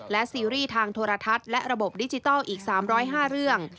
และซีรีส์ทางโทรทัศน์และระบบดิจิทัลอีก๓๐๕เรื่อง